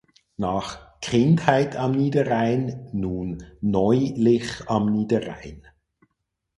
Nach „Kindheit am Niederrhein“ nun „Neu-lich am Niederrhein“.